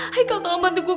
hai kal tolong bantu gue